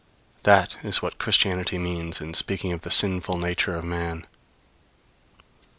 That is what Christianity means in speaking of the sinful nature of man.